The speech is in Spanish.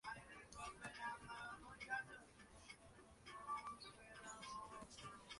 Estos animales tenían la torsión típica de los gasterópodos y con concha.